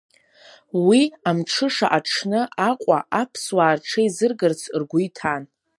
Уи амҽыша аҽны Аҟәа аԥсуаа рҽеизыргарц ргәы иҭан.